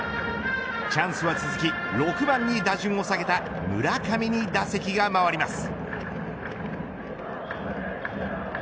チャンスは続き６番に打順を下げた村上に打席が回ります。